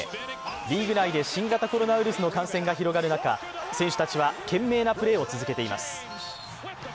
リーグ内で新型コロナウイルスの感染が広がる中選手たちは、懸命なプレーを続けています。